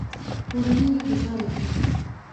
کورنۍ يې خوشاله شوه.